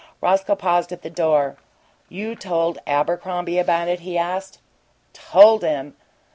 Roscoe paused at the door. "You told Abercrombie about it?" he asked. "TOLD him!"